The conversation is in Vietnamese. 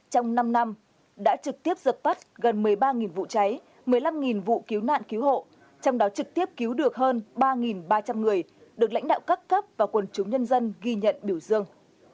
trong năm năm đã trực tiếp dập tắt gần một mươi ba vụ cháy một mươi năm vụ cứu nạn cứu hộ trong đó trực tiếp cứu được hơn ba ba trăm linh người được lãnh đạo các cấp và quần chúng nhân dân ghi nhận biểu dương